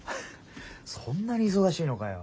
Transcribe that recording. そんなに忙しいのかよ。